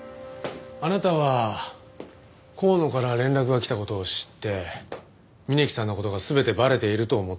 あなたは香野から連絡が来た事を知って峯木さんの事が全てバレていると思った。